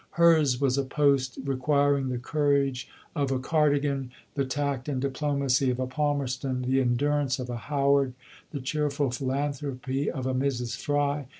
Hers was a post requiring the courage of a Cardigan, the tact and diplomacy of a Palmerston, the endurance of a Howard, the cheerful philanthropy of a Mrs. Fry.